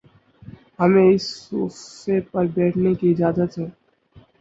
ہمیں اس صوفے پر بیٹھنے کی اجازت ہے